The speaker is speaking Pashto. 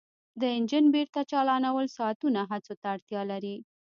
د انجن بیرته چالانول ساعتونو هڅو ته اړتیا لري